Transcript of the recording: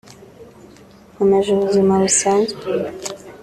nkomeje ubuzima busanzwe